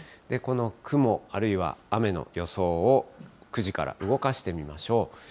この雲、あるいは雨の予想を９時から動かしてみましょう。